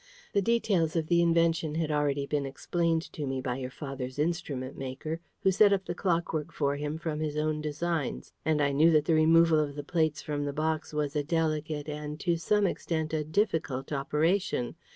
The details of the invention had already been explained to me by your father's instrument maker, who set up the clockwork for him from his own designs; and I knew that the removal of the plates from the box was a delicate, and to some extent a difficult, operation.